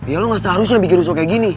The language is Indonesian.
ya lo gak seharusnya bikin rusuh kayak gini